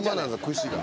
串が。